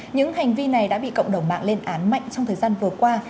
những hành vi này đã bị cộng đồng mạng lên án mạnh trong thời gian vừa qua